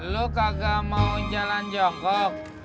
lu kagak mau jalan jongkok